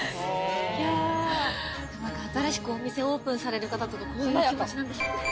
何か新しくお店オープンされる方とかこういう気持ちなんでしょうね